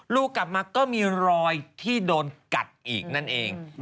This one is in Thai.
ลูกกลับมาก็มีรอยที่โดนกัดอีกนั่นเอง